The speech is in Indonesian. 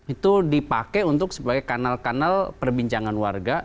itu dipakai untuk sebagai kanal kanal perbincangan warga